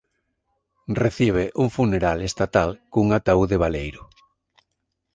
Recibe un funeral estatal cun ataúde baleiro.